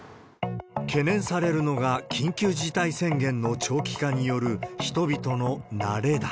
懸念されるのが、緊急事態宣言の長期化による、人々の慣れだ。